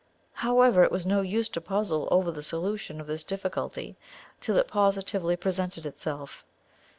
However, it was no use to puzzle over the solution of this difficulty till it positively presented itself.